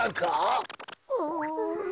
うん。